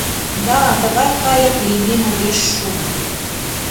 Да, тыгай кайык лиймем огеш шу!